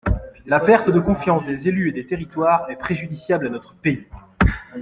La perte de confiance des élus et des territoires est préjudiciable à notre pays.